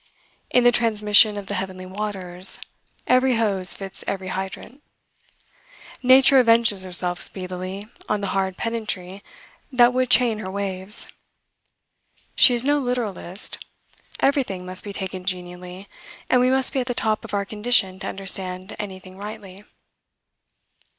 In the transmission of the heavenly waters, every hose fits every hydrant. Nature avenges herself speedily on the hard pedantry that would chain her waves. She is no literalist. Everything must be taken genially, and we must be at the top of our condition to understand anything rightly.